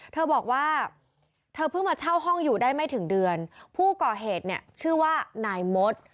เธอบอกว่าเธอเพิ่งมาเช่าห้องอยู่ได้ไม่ถึงเดือนผู้ก่อเหตุเนี่ยชื่อว่านายมด